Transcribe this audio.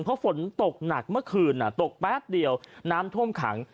เพราะฝนตกหนักเมื่อคืนตกแป๊บเดียวน้ำท่วมขัง